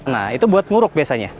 nah itu buat nguruk biasanya